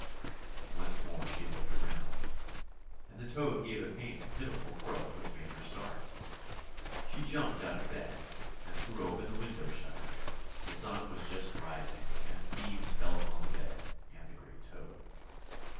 Once more she looked round, and the toad gave a faint pitiful croak which made her start. She jumped out of bed and threw open the window shutter, the sun was just rising and its beams fell upon the bed and the great toad.